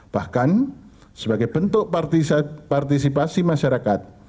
bahkan sebagai bentuk partisipasi masyarakat